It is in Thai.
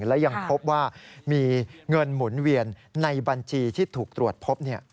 และยังพบว่ามีเงินหมุนเวียนในบัญชีที่ถูกตรวจพบ